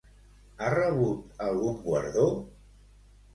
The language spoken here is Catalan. Ha rebut algun guardó?